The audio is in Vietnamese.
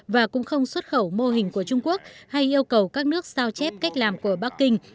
và cũng không xuất khẩu mô hình của trung quốc hay yêu cầu các nước sao chép cách làm của bắc kinh